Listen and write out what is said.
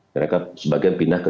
mereka sebagian pindah ke